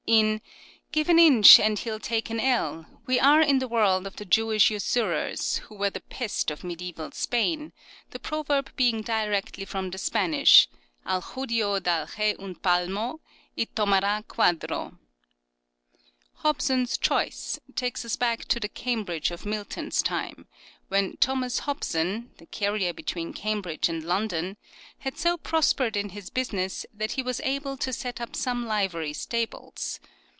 In " Give an inch and he'll take an ell " we are in the world of the Jewish usurers who were the pest of mediaeval Spain, the proverb being directly from the Spanish, " Al Judio da lhe un palmo, y tomar^ quadro." " Hobson's choice " takes us back to the Cambridge of Milton's time, when Tobias Hobson, the carrier between Cam bridge and London, had so prospered in his busi ness that he was able to set up some livery stables.